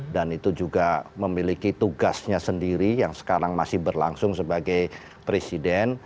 dan itu juga memiliki tugasnya sendiri yang sekarang masih berlangsung sebagai presiden